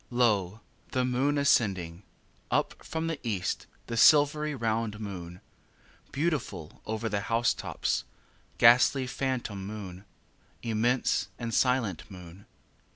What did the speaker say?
2. Lo! the moon ascending! Up from the east, the silvery round moon; Beautiful over the house tops, ghastly, phantom moon; Immense and silent moon.